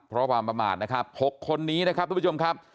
เพราะความประมาทนะครับ๖คนนี้นะครับทุกผู้ชมครับ